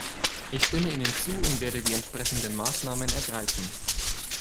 Ich stimme Ihnen zu und werde die entsprechenden Maßnahmen ergreifen.